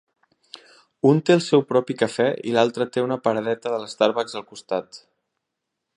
Un té el seu propi cafè i l'altre té una paradeta de l'Starbucks al costat.